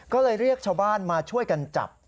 ก็เลยเรียกชาวบ้านมาช่วยกันจับ